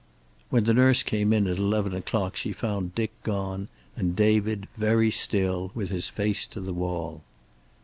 When the nurse came in at eleven o'clock she found Dick gone and David, very still, with his face to the wall.